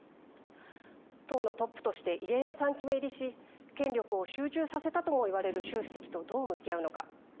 党のトップとして異例の３期目入りし権力を集中させたとも言われる習主席とどう向き合うのか。